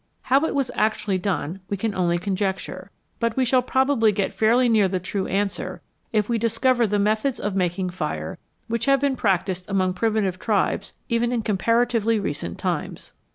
How it was actually done we can only conjecture, but we shall probably get fairly near the true answer if we can discover the methods of making fire which have been practised among primitive tribes even in comparatively recent times.